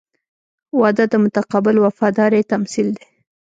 • واده د متقابل وفادارۍ تمثیل دی.